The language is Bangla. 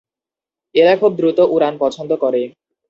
এরা খুব দ্রুত উড়ান পছন্দ করে।